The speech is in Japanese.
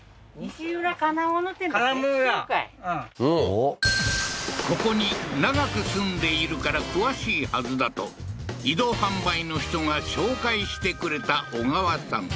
おっここに長く住んでいるから詳しいはずだと移動販売の人が紹介してくれた小川さん